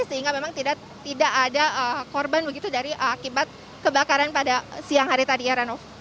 sehingga memang tidak ada korban begitu dari akibat kebakaran pada siang hari tadi ya rano